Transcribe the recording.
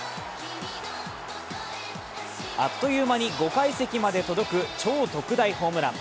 あっという間に５階席まで届く超特大ホームラン。